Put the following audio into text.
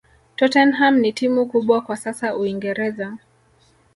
tottenham ni timu kubwa kwa sasa uingereza